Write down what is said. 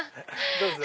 どうぞ。